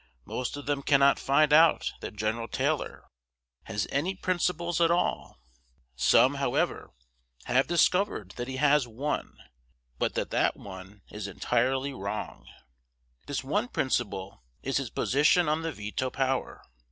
Most of them cannot find out that Gen. Taylor has any principles at all; some, however, have discovered that he has one, but that that one is entirely wrong. This one principle is his position on the veto power.